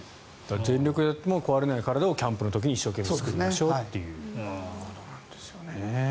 全力でも壊れない体をキャンプの時に一生懸命作りましょうということなんですよね。